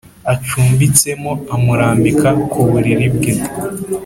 Acumbitsemo amurambika ku buriri bwe